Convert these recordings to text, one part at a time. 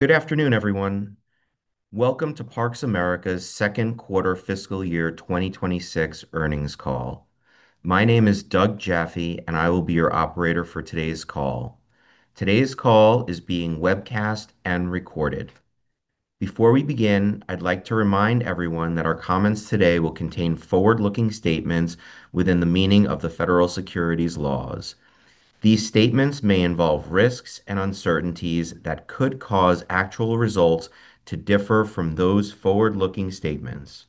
Good afternoon, everyone. Welcome to Parks! America's second quarter fiscal year 2026 earnings call. My name is Doug Jaffe, and I will be your operator for today's call. Today's call is being webcast and recorded. Before we begin, I'd like to remind everyone that our comments today will contain forward-looking statements within the meaning of the federal securities laws. These statements may involve risks and uncertainties that could cause actual results to differ from those forward-looking statements.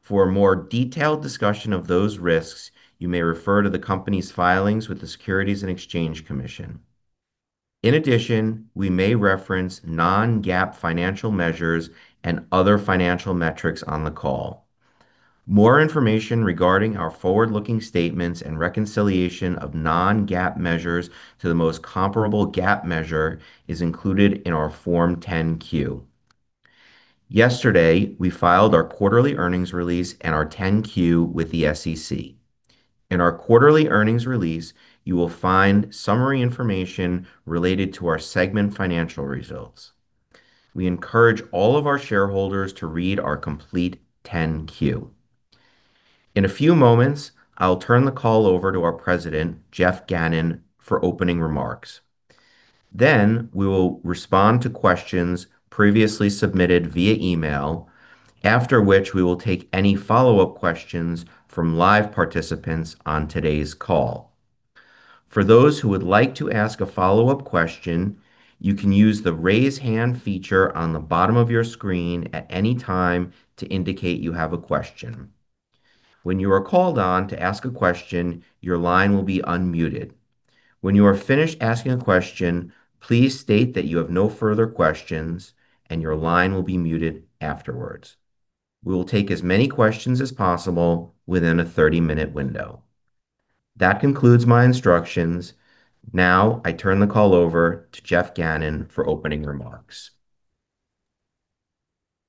For a more detailed discussion of those risks, you may refer to the company's filings with the Securities and Exchange Commission. In addition, we may reference non-GAAP financial measures and other financial metrics on the call. More information regarding our forward-looking statements and reconciliation of non-GAAP measures to the most comparable GAAP measure is included in our Form 10-Q. Yesterday, we filed our quarterly earnings release and our 10-Q with the SEC. In our quarterly earnings release, you will find summary information related to our segment financial results. We encourage all of our shareholders to read our complete 10-Q. In a few moments, I'll turn the call over to our President, Geoff Gannon, for opening remarks. We will respond to questions previously submitted via email, after which we will take any follow-up questions from live participants on today's call. For those who would like to ask a follow-up question, you can use the raise hand feature on the bottom of your screen at any time to indicate you have a question. When you are called on to ask a question, your line will be unmuted. When you are finished asking a question, please state that you have no further questions. Your line will be muted afterwards. We will take as many questions as possible within a 30-minute window. That concludes my instructions. Now I turn the call over to Geoff Gannon for opening remarks.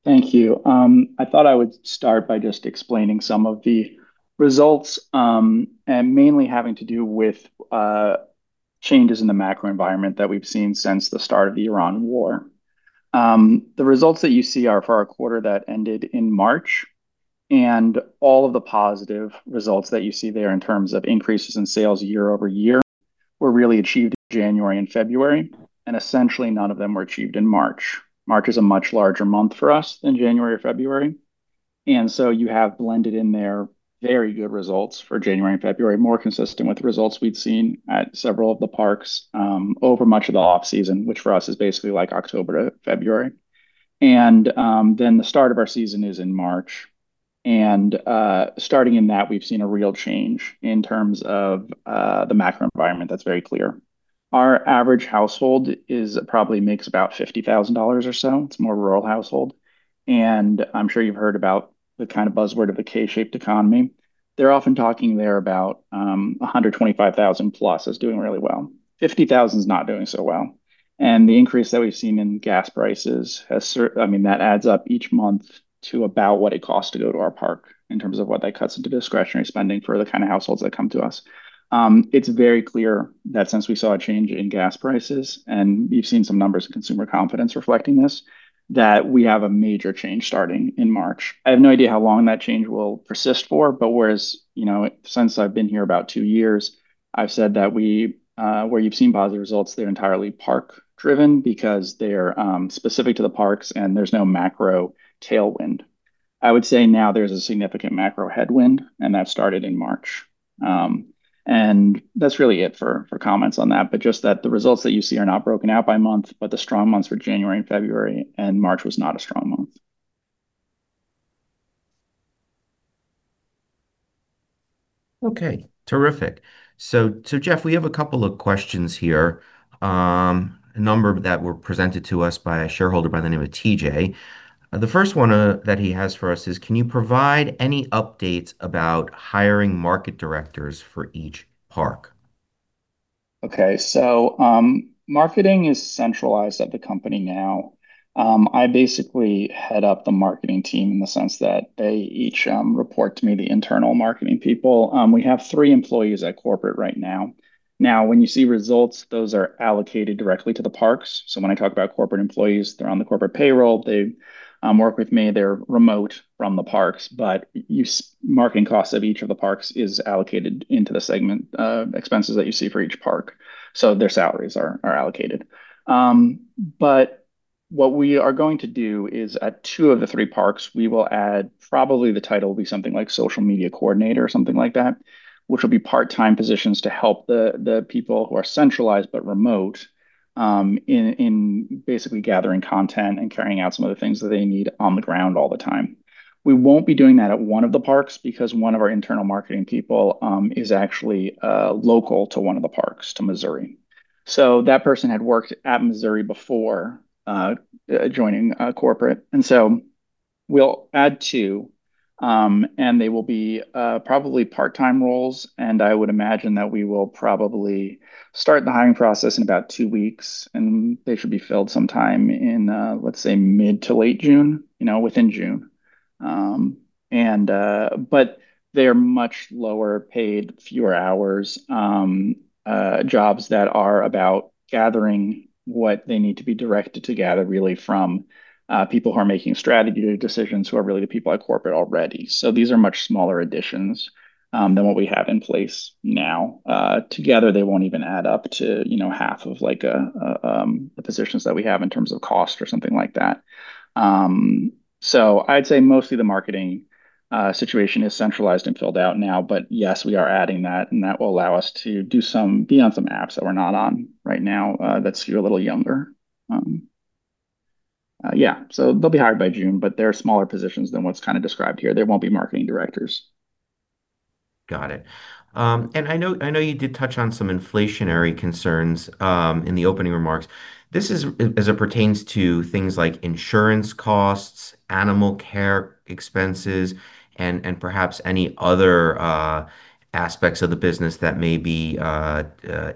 Thank you. I thought I would start by just explaining some of the results, and mainly having to do with changes in the macro environment that we've seen since the start of the Iran war. The results that you see are for our quarter that ended in March. All of the positive results that you see there in terms of increases in sales year-over-year were really achieved January and February. Essentially none of them were achieved in March. March is a much larger month for us than January or February. You have blended in there very good results for January and February, more consistent with the results we'd seen at several of the parks over much of the off-season, which for us is basically like October to February. Then the start of our season is in March, and starting in that, we've seen a real change in terms of the macro environment that's very clear. Our average household probably makes about $50,000 or so. It's more rural household. I'm sure you've heard about the kind of buzzword of the K-shaped economy. They're often talking there about $125,000+ as doing really well. $50,000 is not doing so well. The increase that we've seen in gas prices has I mean, that adds up each month to about what it costs to go to our park in terms of what that cuts into discretionary spending for the kind of households that come to us. It's very clear that since we saw a change in gas prices, and we've seen some numbers in consumer confidence reflecting this, that we have a major change starting in March. I have no idea how long that change will persist for, whereas, you know, since I've been here about two years, I've said that we, where you've seen positive results, they're entirely park driven because they are specific to the parks and there's no macro tailwind. I would say now there's a significant macro headwind, that started in March. That's really it for comments on that. Just that the results that you see are not broken out by month, but the strong months were January and February, March was not a strong month. Okay. Terrific. Geoff, we have a couple of questions here, a number that were presented to us by a shareholder by the name of TJ. The first one that he has for us is, can you provide any updates about hiring market directors for each park? Marketing is centralized at the company now. I basically head up the marketing team in the sense that they each report to me, the internal marketing people. We have three employees at corporate right now. When you see results, those are allocated directly to the parks. When I talk about corporate employees, they're on the corporate payroll. They work with me. They're remote from the parks. Marketing costs of each of the parks is allocated into the segment expenses that you see for each park. Their salaries are allocated. What we are going to do is at two of the three parks, we will add probably the title will be something like social media coordinator or something like that, which will be part-time positions to help the people who are centralized but remote, in basically gathering content and carrying out some of the things that they need on the ground all the time. We won't be doing that at one of the parks because one of our internal marketing people, is actually local to one of the parks, to Missouri. That person had worked at Missouri before, joining corporate. We'll add two, and they will be probably part-time roles. I would imagine that we will probably start the hiring process in about two weeks, and they should be filled sometime in, let's say mid to late June, you know, within June. They're much lower paid, fewer hours, jobs that are about gathering what they need to be directed to gather really from people who are making strategy decisions who are really the people at corporate already. These are much smaller additions than what we have in place now. Together they won't even add up to, you know, half of like the positions that we have in terms of cost or something like that. I'd say mostly the marketing situation is centralized and filled out now. Yes, we are adding that, and that will allow us to be on some apps that we're not on right now, that's a little younger. Yeah, they'll be hired by June, but they're smaller positions than what's kind of described here. They won't be marketing directors. Got it. I know you did touch on some inflationary concerns in the opening remarks. This is, as it pertains to things like insurance costs, animal care expenses, and perhaps any other aspects of the business that may be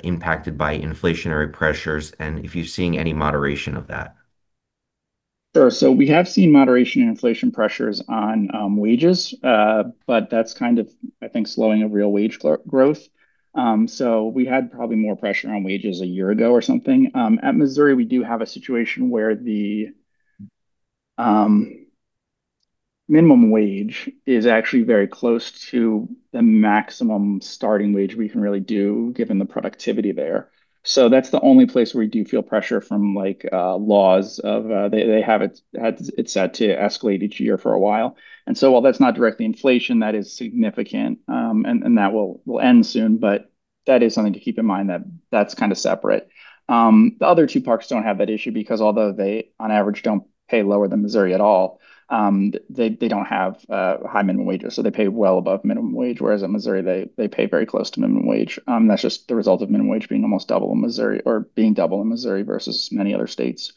impacted by inflationary pressures and if you're seeing any moderation of that. Sure. We have seen moderation in inflation pressures on wages. But that's kind of, I think, slowing of real wage growth. We had probably more pressure on wages a year ago or something. At Missouri, we do have a situation where the minimum wage is actually very close to the maximum starting wage we can really do given the productivity there. That's the only place where we do feel pressure from like laws of, they had it set to escalate each year for a while. While that's not directly inflation, that is significant. And that will end soon, but that is something to keep in mind that that's kind of separate. The other two parks don't have that issue because although they, on average, don't pay lower than Missouri at all, they don't have high minimum wages, so they pay well above minimum wage. Whereas at Missouri, they pay very close to minimum wage. That's just the result of minimum wage being almost double in Missouri or being double in Missouri versus many other states.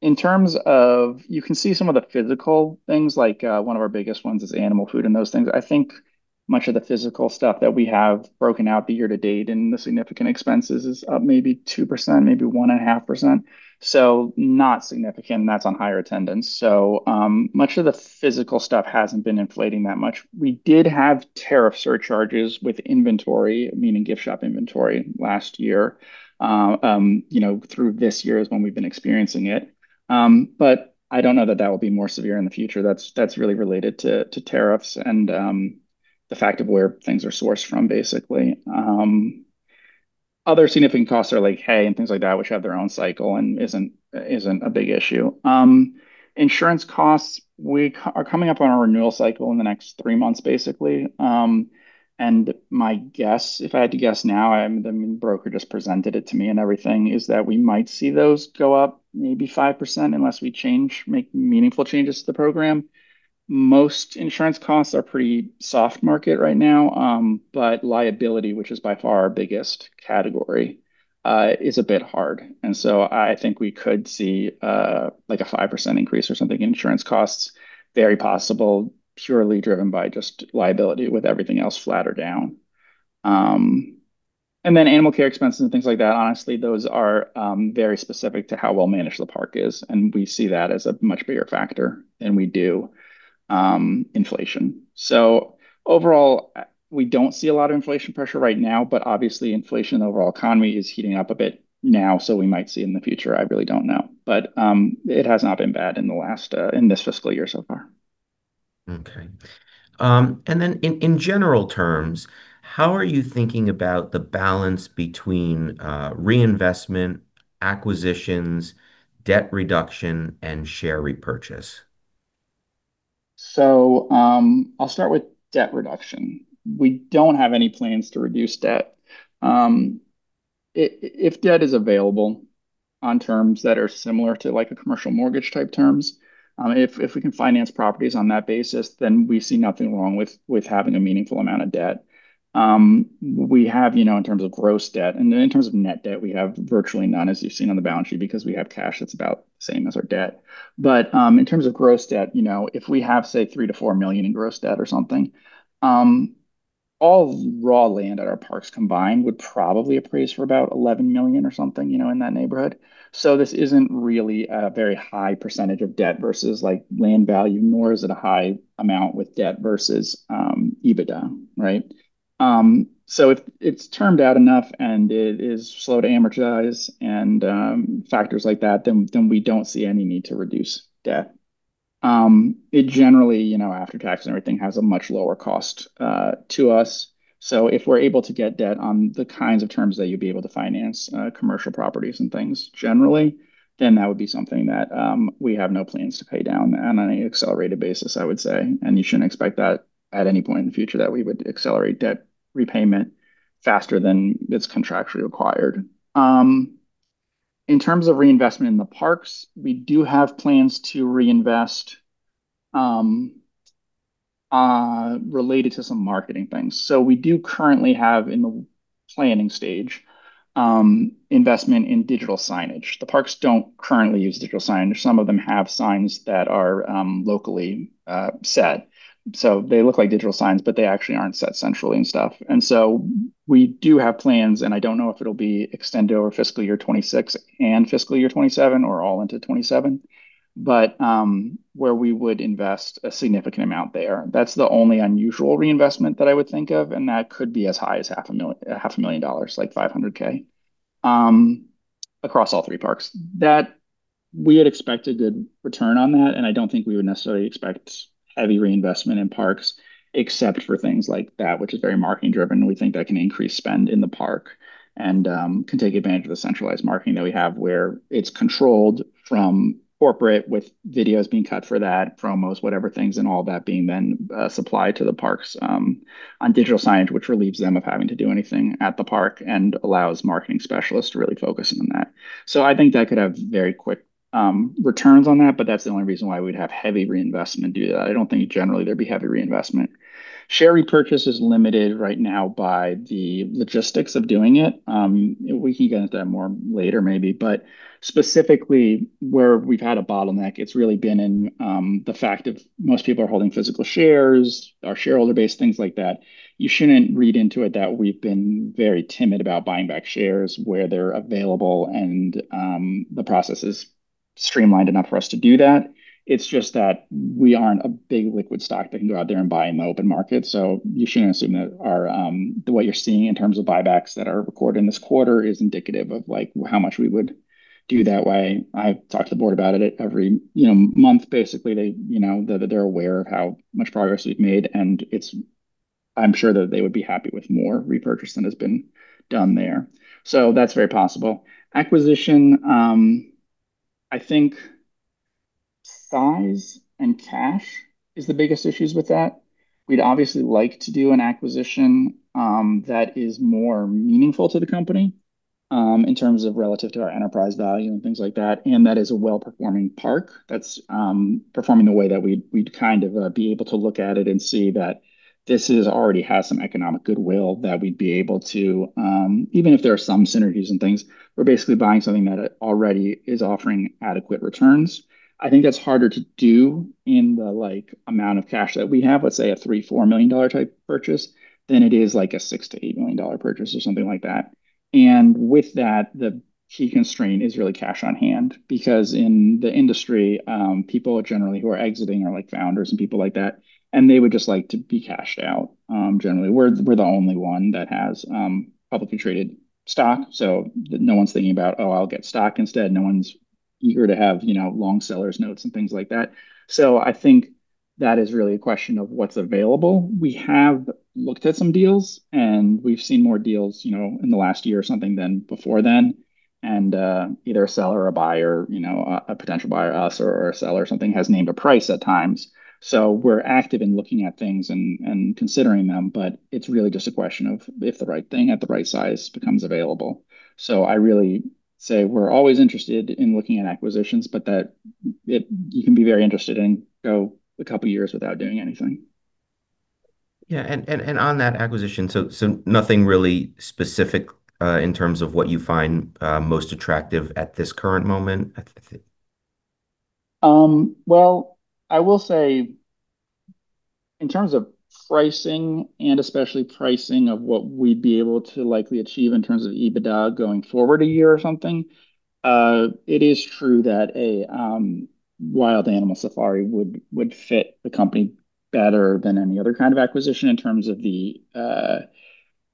In terms of You can see some of the physical things like one of our biggest ones is animal food and those things. I think much of the physical stuff that we have broken out the year to date and the significant expenses is up maybe 2%, maybe 1.5%. Not significant, and that's on higher attendance. Much of the physical stuff hasn't been inflating that much. We did have tariff surcharges with inventory, meaning gift shop inventory, last year. you know, through this year is when we've been experiencing it. I don't know that that will be more severe in the future. That's really related to tariffs and the fact of where things are sourced from, basically. Other significant costs are like hay and things like that which have their own cycle and isn't a big issue. Insurance costs, we are coming up on our renewal cycle in the next three months, basically. My guess, if I had to guess now, the broker just presented it to me and everything, is that we might see those go up maybe 5% unless we change, make meaningful changes to the program. Most insurance costs are pretty soft market right now. Liability, which is by far our biggest category, is a bit hard. I think we could see like a 5% increase or something. Insurance costs, very possible, purely driven by just liability with everything else flat or down. Animal care expenses and things like that, honestly, those are very specific to how well-managed the park is, and we see that as a much bigger factor than we do inflation. Overall, we don't see a lot of inflation pressure right now, but obviously inflation and the overall economy is heating up a bit now, so we might see in the future. I really don't know. It has not been bad in the last in this fiscal year so far. Okay. In general terms, how are you thinking about the balance between reinvestment, acquisitions, debt reduction, and share repurchase? I'll start with debt reduction. We don't have any plans to reduce debt. If debt is available on terms that are similar to like a commercial mortgage type terms, if we can finance properties on that basis, then we see nothing wrong with having a meaningful amount of debt. We have, you know, in terms of gross debt, and then in terms of net debt, we have virtually none as you've seen on the balance sheet because we have cash that's about the same as our debt. In terms of gross debt, you know, if we have, say, $3 million-$4 million in gross debt or something, all raw land at our parks combined would probably appraise for about $11 million or something, you know, in that neighborhood. This isn't really a very high percentage of debt versus like land value, nor is it a high amount with debt versus EBITDA, right? If it's termed out enough and it is slow to amortize and factors like that, then we don't see any need to reduce debt. It generally, you know, after tax and everything, has a much lower cost to us. If we're able to get debt on the kinds of terms that you'd be able to finance commercial properties and things generally, then that would be something that we have no plans to pay down on any accelerated basis, I would say. You shouldn't expect that at any point in the future that we would accelerate debt repayment faster than it's contractually required. In terms of reinvestment in the parks, we do have plans to reinvest related to some marketing things. We do currently have in the planning stage, investment in digital signage. The parks don't currently use digital signage. Some of them have signs that are locally set. They look like digital signs, but they actually aren't set centrally. We do have plans, and I don't know if it'll be extended over fiscal year 2026 and fiscal year 2027 or all into 2027, but where we would invest a significant amount there. That's the only unusual reinvestment that I would think of, and that could be as high as half a million dollars, like $500,000, across all three parks. We had expected a return on that. I don't think we would necessarily expect heavy reinvestment in parks except for things like that, which is very marketing-driven, and we think that can increase spend in the park and can take advantage of the centralized marketing that we have where it's controlled from corporate with videos being cut for that, promos, whatever things, and all that being then supplied to the parks on digital signage, which relieves them of having to do anything at the park and allows marketing specialists to really focus on that. I think that could have very quick returns on that. That's the only reason why we'd have heavy reinvestment due to that. I don't think generally there'd be heavy reinvestment. Share repurchase is limited right now by the logistics of doing it. We can get into that more later maybe, but specifically where we've had a bottleneck, it's really been in the fact of most people are holding physical shares, our shareholder base, things like that. You shouldn't read into it that we've been very timid about buying back shares where they're available and the process is streamlined enough for us to do that. It's just that we aren't a big liquid stock that can go out there and buy in the open market. You shouldn't assume that our, what you're seeing in terms of buybacks that are recorded in this quarter is indicative of, like, how much we would do that way. I talk to the board about it at every, you know, month basically. They, you know, they're aware of how much progress we've made, and it's I'm sure that they would be happy with more repurchase than has been done there. That's very possible. Acquisition, I think size and cash is the biggest issues with that. We'd obviously like to do an acquisition that is more meaningful to the company in terms of relative to our enterprise value and things like that, and that is a well-performing park that's performing the way that we'd kind of be able to look at it and see that this already has some economic goodwill that we'd be able to, even if there are some synergies and things, we're basically buying something that already is offering adequate returns. I think that's harder to do in the, like, amount of cash that we have, let's say a $3 million-$4 million type purchase, than it is, like, a $6 million-$8 million purchase or something like that. With that, the key constraint is really cash on hand because in the industry, people generally who are exiting are, like, founders and people like that, and they would just like to be cashed out, generally. We're the only one that has publicly traded stock, so no one's thinking about, "Oh, I'll get stock instead." No one's eager to have, you know, long sellers notes and things like that. I think that is really a question of what's available. We have looked at some deals, and we've seen more deals, you know, in the last year or something than before then. Either a seller or buyer, you know, a potential buyer, us or a seller or something, has named a price at times. We're active in looking at things and considering them, but it's really just a question of if the right thing at the right size becomes available. I really say we're always interested in looking at acquisitions, but that you can be very interested and go a couple years without doing anything. Yeah. On that acquisition, so nothing really specific, in terms of what you find, most attractive at this current moment? Well, I will say in terms of pricing, and especially pricing of what we'd be able to likely achieve in terms of EBITDA going forward a year or something, it is true that a wild animal safari would fit the company better than any other kind of acquisition in terms of the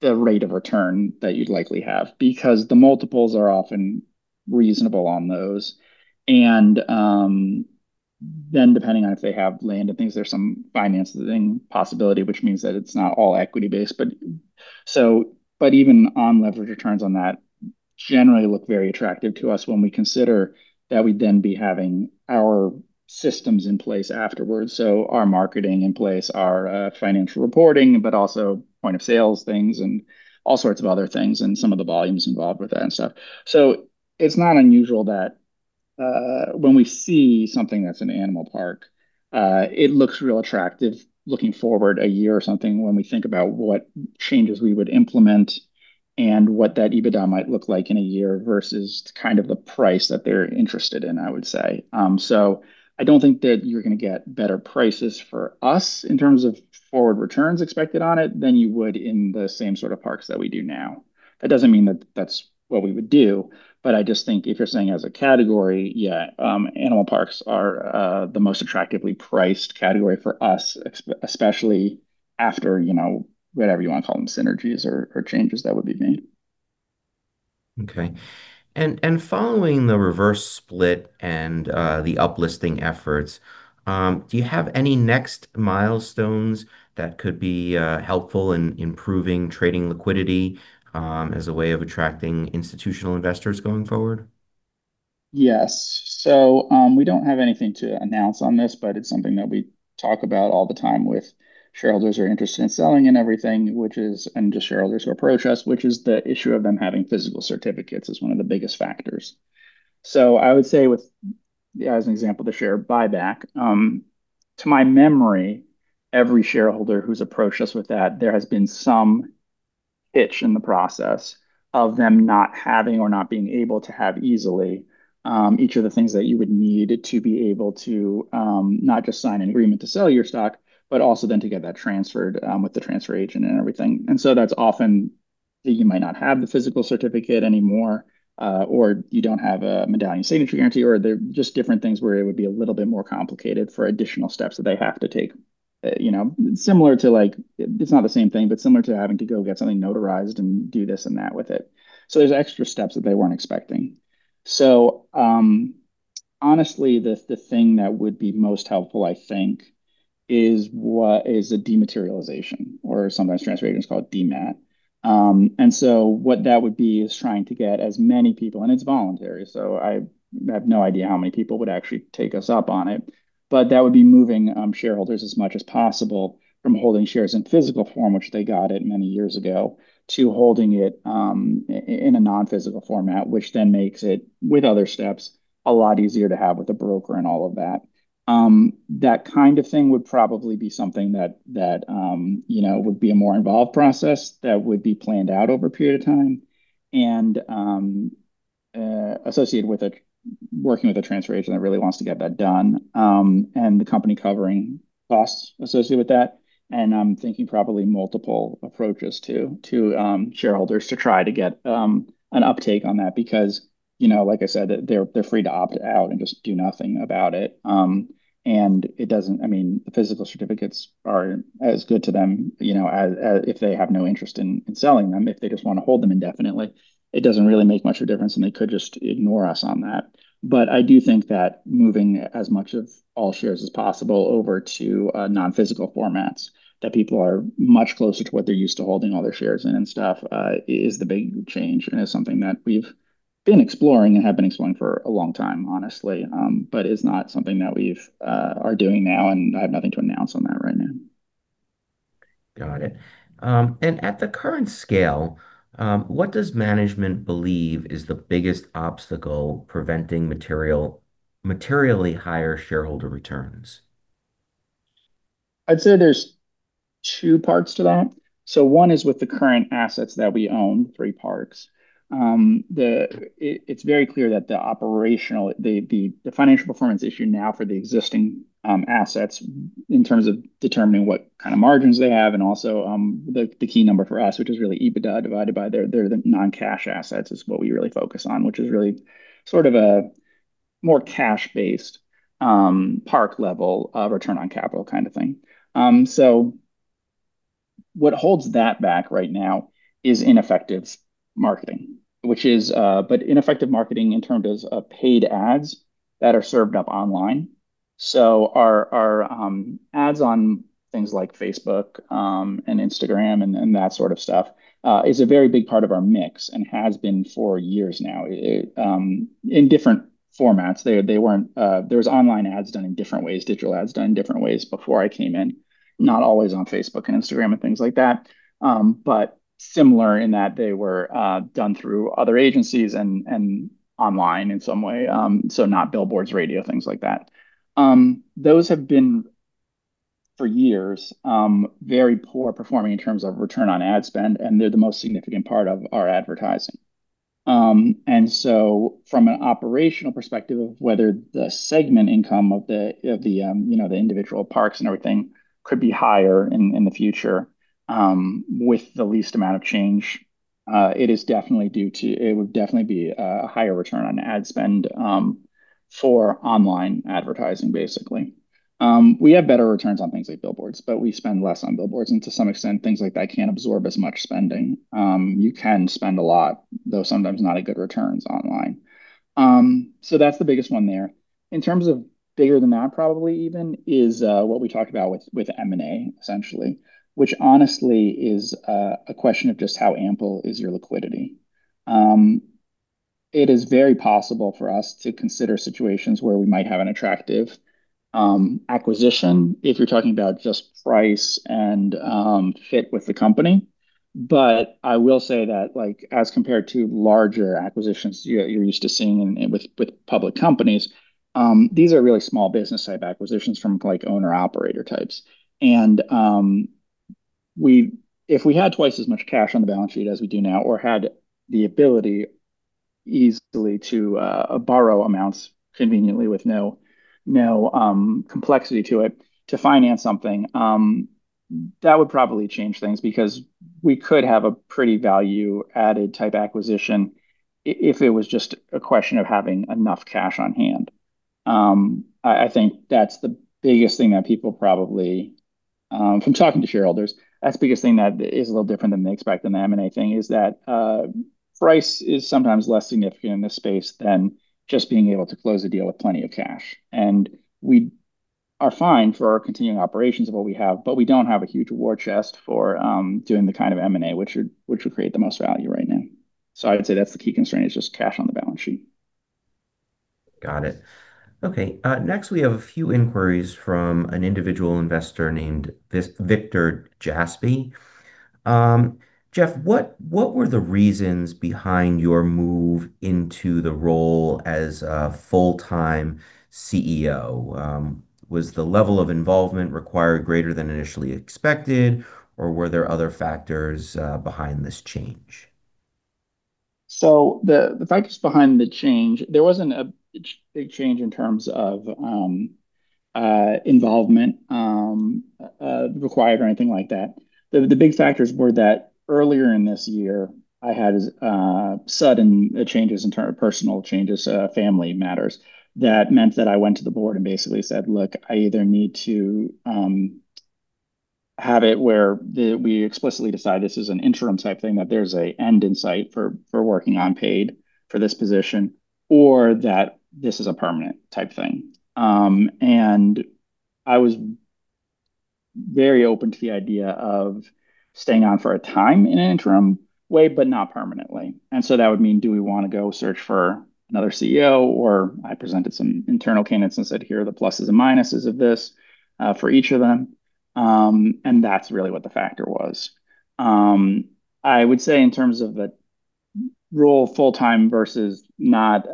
rate of return that you'd likely have. Because the multiples are often reasonable on those and, then depending on if they have land and things, there's some financing possibility, which means that it's not all equity-based. Even on leverage, returns on that generally look very attractive to us when we consider that we'd then be having our systems in place afterwards, so our marketing in place, our financial reporting, but also point of sale things and all sorts of other things, and some of the volumes involved with that and stuff. It's not unusual that when we see something that's an animal park, it looks real attractive looking forward a year or something when we think about what changes we would implement and what that EBITDA might look like in a year versus kind of the price that they're interested in, I would say. I don't think that you're gonna get better prices for us in terms of forward returns expected on it than you would in the same sort of parks that we do now. That doesn't mean that that's what we would do, but I just think if you're saying as a category, yeah, animal parks are the most attractively priced category for us, especially after, you know, whatever you wanna call them, synergies or changes that would be made. Okay. Following the reverse split and the up-listing efforts, do you have any next milestones that could be helpful in improving trading liquidity as a way of attracting institutional investors going forward? Yes. We don't have anything to announce on this, but it's something that we talk about all the time with shareholders who are interested in selling and everything, which is and just shareholders who approach us, which is the issue of them having physical certificates is one of the biggest factors. I would say with, as an example, the share buyback, to my memory. Every shareholder who's approached us with that, there has been some hitch in the process of them not having or not being able to have easily, each of the things that you would need to be able to, not just sign an agreement to sell your stock, but also then to get that transferred, with the transfer agent and everything. That's often that you might not have the physical certificate anymore, or you don't have a medallion signature guarantee, or they're just different things where it would be a little bit more complicated for additional steps that they have to take. You know, similar to like it's not the same thing, but similar to having to go get something notarized and do this and that with it. There's extra steps that they weren't expecting. Honestly, the thing that would be most helpful, I think, is what is a dematerialization or sometimes transfer agents call it DMAT. What that would be is trying to get as many people. It's voluntary, so I have no idea how many people would actually take us up on it. That would be moving shareholders as much as possible from holding shares in physical form, which they got it many years ago, to holding it in a non-physical format, which then makes it, with other steps, a lot easier to have with a broker and all of that. That kind of thing would probably be something that, you know, would be a more involved process that would be planned out over a period of time and associated with a, working with a transfer agent that really wants to get that done, and the company covering costs associated with that. I'm thinking probably multiple approaches to shareholders to try to get an uptake on that because, you know, like I said, they're free to opt out and just do nothing about it. It doesn't I mean, the physical certificates are as good to them, you know, as if they have no interest in selling them, if they just wanna hold them indefinitely. It doesn't really make much of a difference, and they could just ignore us on that. I do think that moving as much of all shares as possible over to non-physical formats that people are much closer to what they're used to holding all their shares in and stuff, is the big change and is something that we've been exploring and have been exploring for a long time, honestly. It's not something that we've are doing now, and I have nothing to announce on that right now. Got it. At the current scale, what does management believe is the biggest obstacle preventing material, materially higher shareholder returns? I'd say there's two parts to that. One is with the current assets that we own, three parks. It's very clear that the operational, the financial performance issue now for the existing assets in terms of determining what kind of margins they have and also, the key number for us, which is really EBITDA divided by their non-cash assets is what we really focus on, which is really sort of a more cash-based, park level of return on capital kind of thing. What holds that back right now is ineffective marketing, which is, but ineffective marketing in terms of paid ads that are served up online. Our ads on things like Facebook and Instagram and that sort of stuff is a very big part of our mix and has been for years now. It in different formats, they weren't. There was online ads done in different ways, digital ads done in different ways before I came in, not always on Facebook and Instagram and things like that. Similar in that they were done through other agencies and online in some way. Not billboards, radio, things like that. Those have been, for years, very poor performing in terms of Return on Ad Spend, and they're the most significant part of our advertising. From an operational perspective of whether the segment income of the, of the, you know, the individual parks and everything could be higher in the future, with the least amount of change, it would definitely be a higher Return on Ad Spend for online advertising, basically. We have better returns on things like billboards, but we spend less on billboards, and to some extent, things like that can't absorb as much spending. You can spend a lot, though sometimes not at good returns online. That's the biggest one there. In terms of bigger than that probably even is what we talked about with M&A essentially, which honestly is a question of just how ample is your liquidity. It is very possible for us to consider situations where we might have an attractive acquisition if you're talking about just price and fit with the company. I will say that, like, as compared to larger acquisitions you're used to seeing with public companies, these are really small business type acquisitions from like owner/operator types. We if we had twice as much cash on the balance sheet as we do now or had the ability easily to borrow amounts conveniently with no complexity to it to finance something, that would probably change things because we could have a pretty value-added type acquisition if it was just a question of having enough cash on hand. I think that's the biggest thing that people probably, from talking to shareholders, that's the biggest thing that is a little different than they expect in the M&A thing, is that price is sometimes less significant in this space than just being able to close a deal with plenty of cash. We are fine for our continuing operations of what we have, but we don't have a huge war chest for doing the kind of M&A which would create the most value right now. I would say that's the key constraint, is just cash on the balance sheet. Got it. Okay. Next we have a few inquiries from an individual investor named Victor Jaspe. Geoff, what were the reasons behind your move into the role as a full-time Chief Executive Officer? Was the level of involvement required greater than initially expected, or were there other factors behind this change? The factors behind the change, there wasn't a big change in terms of involvement required or anything like that. The big factors were that earlier in this year, I had sudden personal changes, family matters that meant that I went to the board and basically said, "Look, I either need to have it where the, we explicitly decide this is an interim type thing, that there's a end in sight for working unpaid for this position, or that this is a permanent type thing." I was very open to the idea of staying on for a time in an interim way, but not permanently. That would mean, do we wanna go search for another Chief Executive Officer, or I presented some internal candidates and said, "Here are the pluses and minuses of this for each of them." That's really what the factor was. I would say in terms of the role full-time versus not,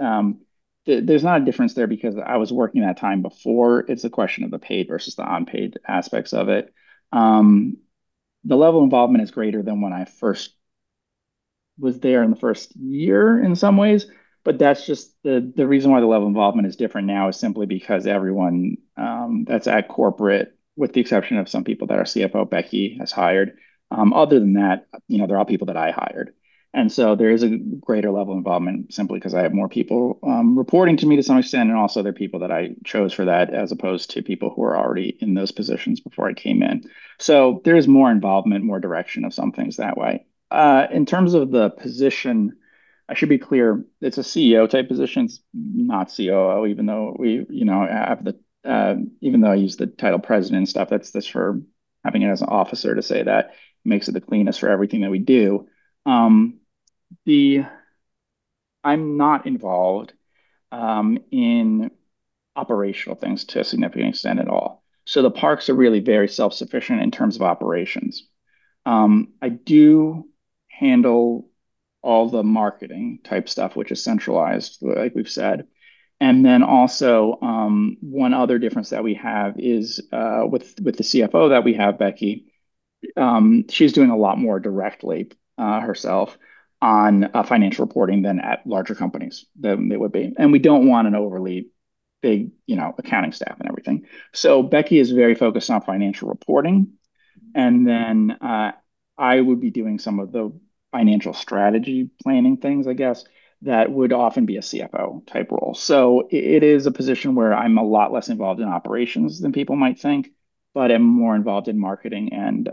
there's not a difference there because I was working that time before. It's a question of the paid versus the unpaid aspects of it. The level of involvement is greater than when I first was there in the first year in some ways, but that's just the reason why the level of involvement is different now is simply because everyone that's at corporate, with the exception of some people that our Chief Financial Officer, Becky, has hired, other than that, you know, they're all people that I hired. There is a greater level of involvement simply because I have more people reporting to me to some extent, and also they're people that I chose for that as opposed to people who were already in those positions before I came in. There is more involvement, more direction of some things that way. In terms of the position, I should be clear, it's a Chief Executive Officer type position. It's not Chief Operating Officer, even though we, you know, have the even though I use the title President and stuff, that's just for having it as an officer to say that makes it the cleanest for everything that we do. I'm not involved in operational things to a significant extent at all. The parks are really very self-sufficient in terms of operations. I do handle all the marketing type stuff, which is centralized, like we've said. One other difference that we have is with the Chief Financial Officer that we have, Becky, she's doing a lot more directly herself on financial reporting than at larger companies than they would be. We don't want an overly big, you know, accounting staff and everything. Becky is very focused on financial reporting. I would be doing some of the financial strategy planning things, I guess, that would often be a Chief Financial Officer type role. It is a position where I'm a lot less involved in operations than people might think, but am more involved in marketing and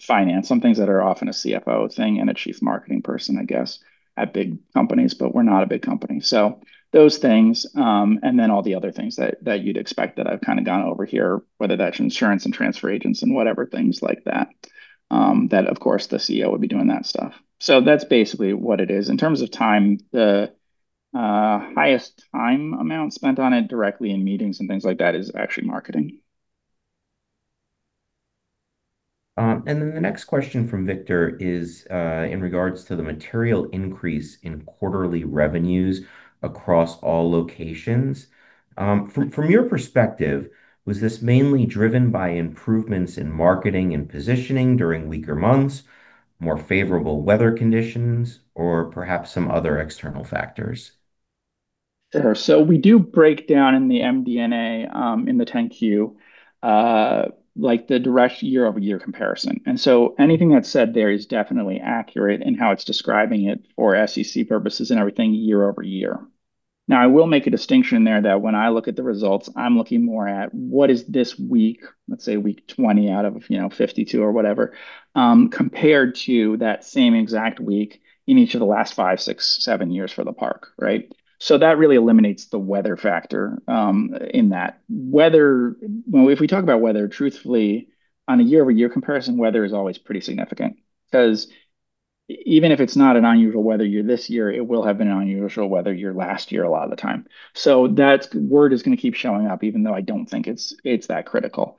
finance, some things that are often a Chief Financial Officer thing and a Chief Marketing Person, I guess, at big companies, but we're not a big company. Those things, and then all the other things that you'd expect that I've kinda gone over here, whether that's insurance and transfer agents and whatever things like that of course the Chief Executive Officer would be doing that stuff. That's basically what it is. In terms of time, the highest time amount spent on it directly in meetings and things like that is actually marketing. The next question from Victor is in regards to the material increase in quarterly revenues across all locations. From your perspective, was this mainly driven by improvements in marketing and positioning during weaker months, more favorable weather conditions, or perhaps some other external factors? Sure. We do break down in the MD&A, in the Form 10-Q, like the direct year-over-year comparison. Anything that's said there is definitely accurate in how it's describing it for SEC purposes and everything year-over-year. Now, I will make a distinction there that when I look at the results, I'm looking more at what is this week, let's say week 20 out of 52 or whatever, compared to that same exact week in each of the last five, six, seven years for the park, right? That really eliminates the weather factor in that. Well, if we talk about weather, truthfully, on a year-over-year comparison, weather is always pretty significant. Because even if it's not an unusual weather year this year, it will have been an unusual weather year last year a lot of the time. That word is gonna keep showing up, even though I don't think it's that critical.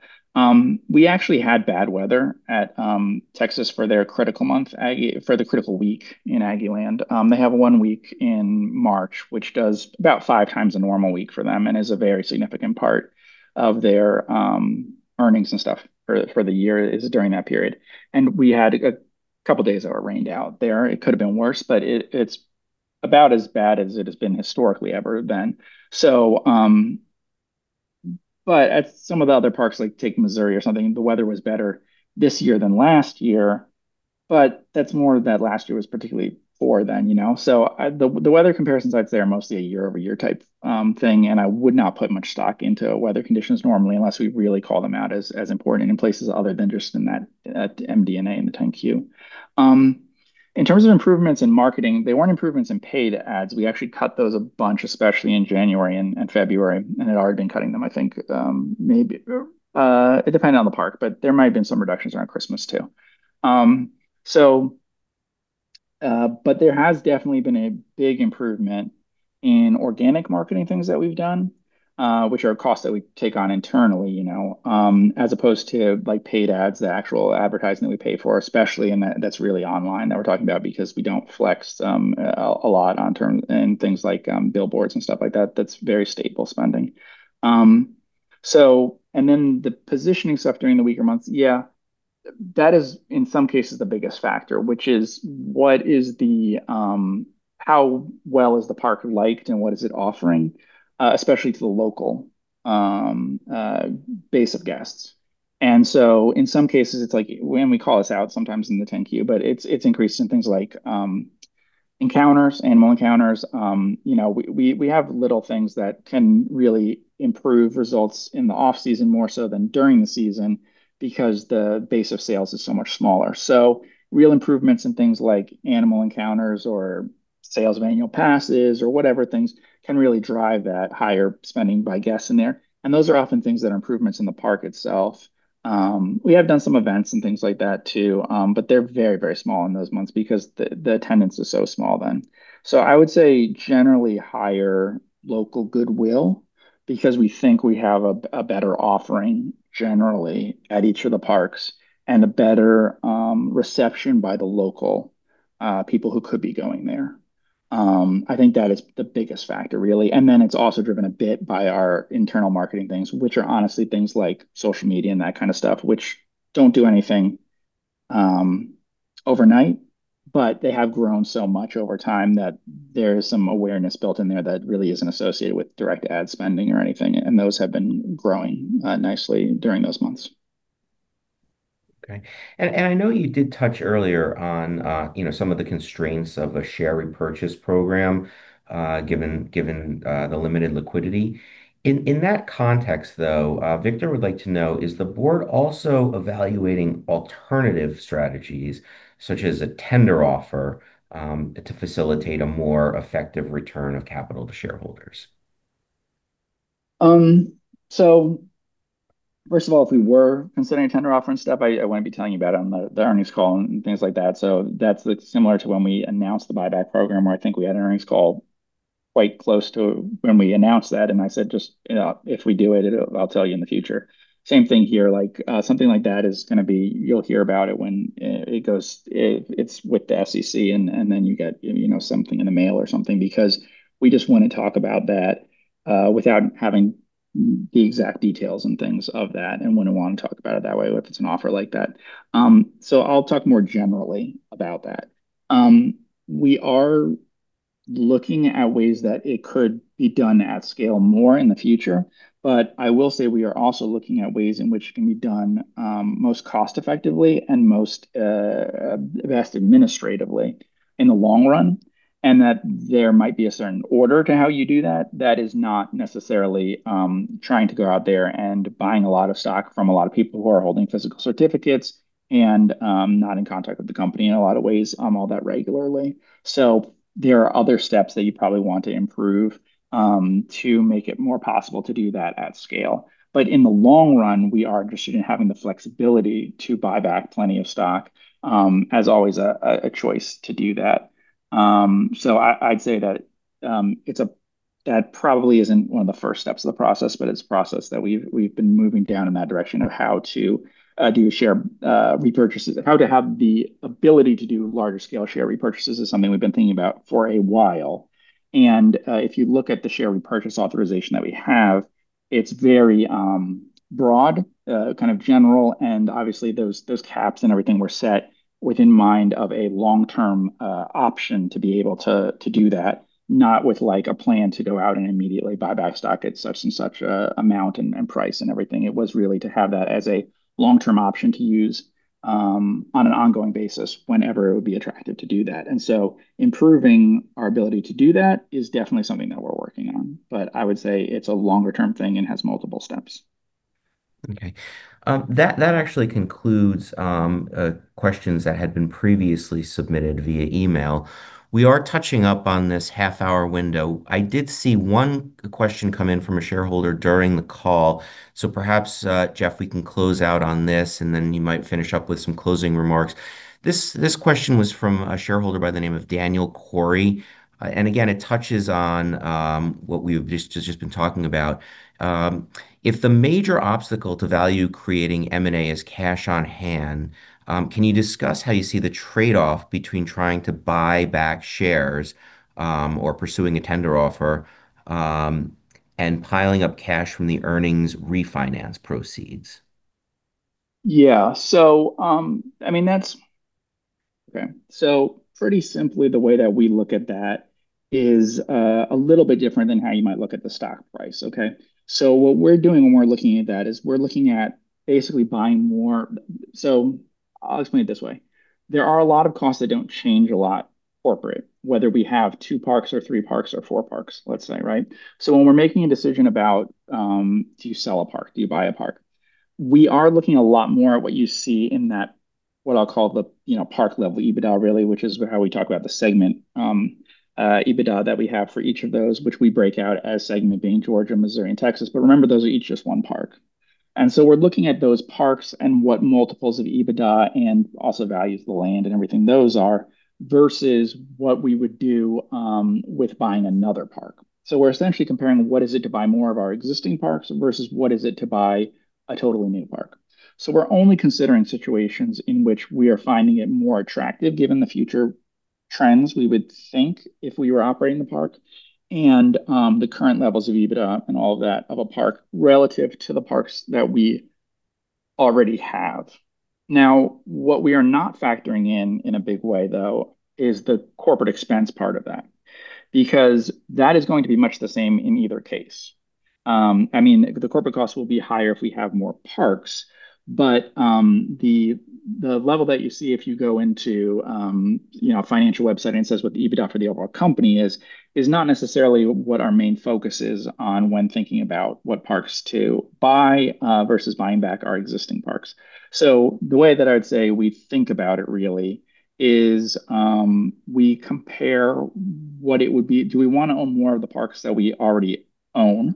We actually had bad weather at Texas for their critical month, for the critical week in Aggieland. They have one week in March, which does about five times a normal week for them and is a very significant part of their earnings and stuff for the year is during that period. We had a couple days that were rained out there. It could've been worse, but it's about as bad as it has been historically ever been. At some of the other parks, like take Missouri or something, the weather was better this year than last year, but that's more that last year was particularly poor then, you know. The weather comparison sites, they are mostly a year-over-year type thing, and I would not put much stock into weather conditions normally unless we really call them out as important in places other than just in that MD&A in the Form 10-Q. In terms of improvements in marketing, they weren't improvements in paid ads. We actually cut those a bunch, especially in January and February, and had already been cutting them, I think, it depended on the park, but there might have been some reductions around Christmas too. There has definitely been a big improvement in organic marketing things that we've done, which are costs that we take on internally, you know. As opposed to, like, paid ads, the actual advertising that we pay for, especially that's really online that we're talking about because we don't flex a lot in things like billboards and stuff like that. That's very stable spending. The positioning stuff during the weaker months, yeah, that is, in some cases, the biggest factor, which is what is the how well is the park liked and what is it offering especially to the local base of guests. In some cases, it's like, and we call this out sometimes in the Form 10-Q, but it's increased in things like encounters, animal encounters. you know, we have little things that can really improve results in the off-season more so than during the season because the base of sales is so much smaller. Real improvements in things like animal encounters or sales of annual passes or whatever things can really drive that higher spending by guests in there. Those are often things that are improvements in the park itself. We have done some events and things like that too, but they're very, very small in those months because the attendance is so small then. I would say generally higher local goodwill because we think we have a better offering generally at each of the parks and a better reception by the local people who could be going there. I think that is the biggest factor really. It's also driven a bit by our internal marketing things, which are honestly things like social media and that kind of stuff, which don't do anything overnight. They have grown so much over time that there is some awareness built in there that really isn't associated with direct ad spending or anything, and those have been growing nicely during those months. Okay. And I know you did touch earlier on, you know, some of the constraints of a share repurchase program, given the limited liquidity. In that context, though, Victor would like to know, is the board also evaluating alternative strategies such as a tender offer, to facilitate a more effective return of capital to shareholders? First of all, if we were considering a tender offer and stuff, I wouldn't be telling you about it on the earnings call and things like that. That's similar to when we announced the buyback program, where I think we had an earnings call quite close to when we announced that, and I said, just, you know, if we do it, I'll tell you in the future. Same thing here. Like, something like that is gonna be You'll hear about it when it's with the SEC, and then you get, you know, something in the mail or something because we just wanna talk about that without having the exact details and things of that and wouldn't wanna talk about it that way if it's an offer like that. I'll talk more generally about that. We are looking at ways that it could be done at scale more in the future. I will say we are also looking at ways in which it can be done, most cost effectively and most, best administratively in the long run, and that there might be a certain order to how you do that. That is not necessarily, trying to go out there and buying a lot of stock from a lot of people who are holding physical certificates and, not in contact with the company in a lot of ways, all that regularly. There are other steps that you probably want to improve, to make it more possible to do that at scale. In the long run, we are interested in having the flexibility to buy back plenty of stock, as always a choice to do that. I'd say that probably isn't one of the first steps of the process, but it's a process that we've been moving down in that direction of how to do share repurchases. How to have the ability to do larger scale share repurchases is something we've been thinking about for a while. If you look at the share repurchase authorization that we have, it's very broad, kind of general, and obviously, those caps and everything were set within mind of a long-term option to be able to do that, not with, like, a plan to go out and immediately buy back stock at such and such amount and price and everything. It was really to have that as a long-term option to use on an ongoing basis whenever it would be attractive to do that. Improving our ability to do that is definitely something that we're working on. I would say it's a longer-term thing and has multiple steps. Okay. That actually concludes questions that had been previously submitted via email. We are touching up on this half-hour window. I did see one question come in from a shareholder during the call. Perhaps, Geoff, we can close out on this, and then you might finish up with some closing remarks. This question was from a shareholder by the name of Daniel Corey. Again, it touches on what we've just been talking about. If the major obstacle to value creating M&A is cash on hand, can you discuss how you see the trade-off between trying to buy back shares, or pursuing a tender offer, and piling up cash from the earnings refinance proceeds? I mean, that's okay. Pretty simply, the way that we look at that is a little bit different than how you might look at the stock price, okay. What we're doing when we're looking at that is we're looking at basically buying more. I'll explain it this way. There are a lot of costs that don't change a lot corporate, whether we have two parks or three parks or four parks, let's say, right. When we're making a decision about, do you sell a park? Do you buy a park? We are looking a lot more at what you see in that, what I'll call the, you know, park level EBITDA really, which is how we talk about the segment. EBITDA that we have for each of those, which we break out as segment being Georgia, Missouri, and Texas. Remember, those are each just one park. We're looking at those parks and what multiples of EBITDA, and also values of the land and everything those are, versus what we would do with buying another park. We're essentially comparing what is it to buy more of our existing parks versus what is it to buy a totally new park. We're only considering situations in which we are finding it more attractive given the future trends we would think if we were operating the park. The current levels of EBITDA and all that of a park relative to the parks that we already have. Now, what we are not factoring in in a big way though is the corporate expense part of that, because that is going to be much the same in either case. I mean, the corporate costs will be higher if we have more parks, but the level that you see if you go into, you know, a financial website and it says what the EBITDA for the overall company is not necessarily what our main focus is on when thinking about what parks to buy versus buying back our existing parks. The way that I would say we think about it really is, we compare what it would be. Do we wanna own more of the parks that we already own?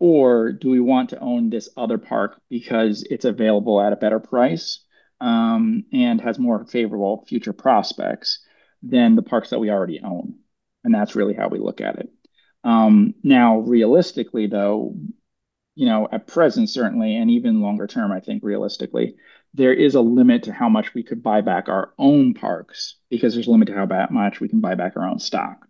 Or do we want to own this other park because it's available at a better price and has more favorable future prospects than the parks that we already own? That's really how we look at it. Now realistically though, you know, at present certainly, and even longer term I think realistically, there is a limit to how much we could buy back our own parks because there's a limit to how much we can buy back our own stock.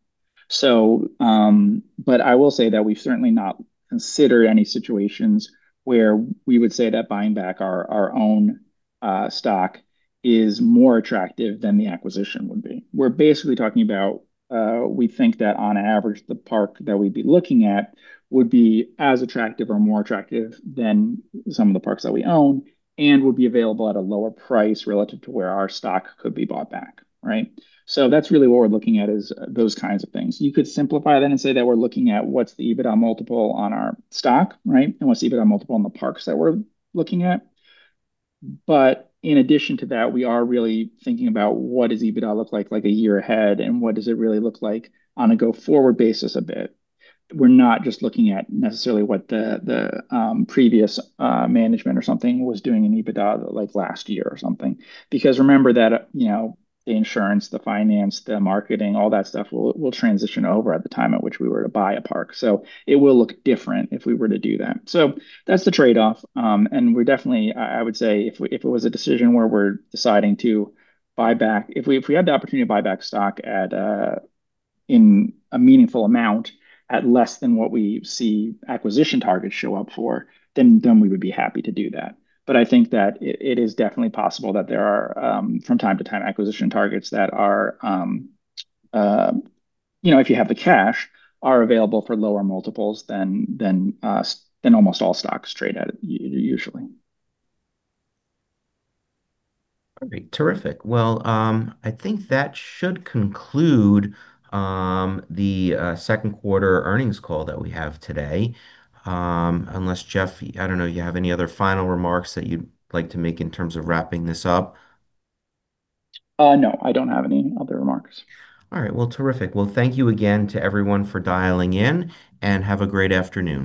But I will say that we've certainly not considered any situations where we would say that buying back our own stock is more attractive than the acquisition would be. We're basically talking about, we think that on average the park that we'd be looking at would be as attractive or more attractive than some of the parks that we own, and would be available at a lower price relative to where our stock could be bought back, right? That's really what we're looking at is those kinds of things. You could simplify that and say that we're looking at what's the EBITDA multiple on our stock, right, and what's the EBITDA multiple on the parks that we're looking at. In addition to that, we are really thinking about what does EBITDA look like one year ahead, and what does it really look like on a go forward basis a bit. We're not just looking at necessarily what the previous management or something was doing in EBITDA like last year or something. Remember that, you know, the insurance, the finance, the marketing, all that stuff will transition over at the time at which we were to buy a park. It will look different if we were to do that. That's the trade-off. We're definitely I would say if we, if it was a decision where we're deciding to buy back, if we had the opportunity to buy back stock at in a meaningful amount at less than what we see acquisition targets show up for, then we would be happy to do that. I think that it is definitely possible that there are from time to time, acquisition targets that are, you know, if you have the cash, are available for lower multiples than almost all stocks trade at usually. All right. Terrific. Well, I think that should conclude the second quarter earnings call that we have today. Unless Geoff, I don't know, you have any other final remarks that you'd like to make in terms of wrapping this up? No. I don't have any other remarks. All right. Well, terrific. Well, thank you again to everyone for dialing in. Have a great afternoon.